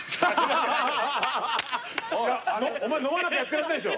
お前飲まなきゃやってらんないでしょ？